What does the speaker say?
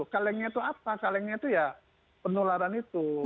kalengnya itu apa kalengnya itu ya penularan itu